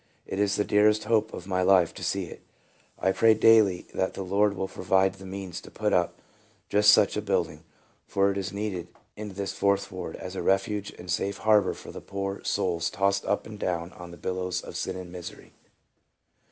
It is the dearest hope of my life to see it. I pray daily that the Lord will provide the means to put up just such a building, for it is needed in this 78 TRANSFORMED. Fourth ward, as a refuge and safe harbor for the poor souls tossed up and down on the billows of sin and misery.